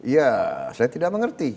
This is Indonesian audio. ya saya tidak mengerti